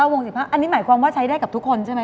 ๑๕อันนี้หมายความว่าใช้ได้กับทุกคนใช่ไหม